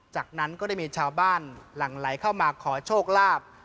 จากนั้นก็ได้มีชาวบ้านหลั่งไหลเข้ามาขอโชคลาภ